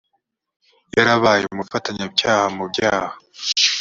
yarabaye umufatanyacyaha mu byaha